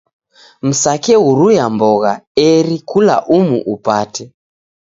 Msekeuruya mbogha eri kula umu upate.